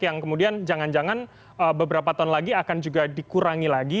yang kemudian jangan jangan beberapa tahun lagi akan juga dikurangi lagi